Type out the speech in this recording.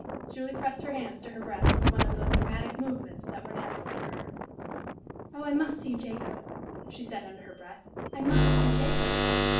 Julie pressed her hands to her breast with one of those dramatic movements that were natural to her. "Oh, I must see Jacob!" she said, under her breath "I must see Jacob!"